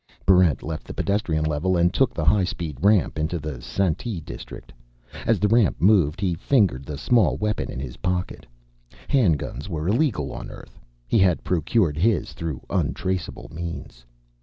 Barrent left the pedestrian level and took the highspeed ramp into the Sante district. As the ramp moved, he fingered the small weapon in his pocket. Handguns were illegal on Earth. He had procured his through untraceable means.